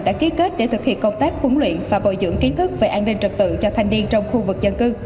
đã ký kết để thực hiện công tác huấn luyện và bồi dưỡng kiến thức về an ninh trật tự cho thanh niên trong khu vực dân cư